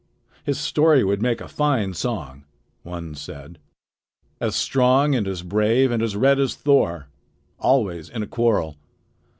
"His story would make a fine song," one said. "As strong and as brave and as red as Thor! Always in a quarrel.